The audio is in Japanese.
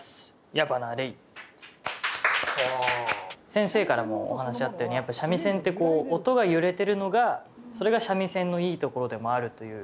先生からもお話あったように三味線って音が揺れてるのがそれが三味線のいいところでもあるという。